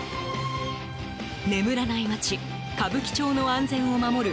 眠らない街・歌舞伎町の安全を守る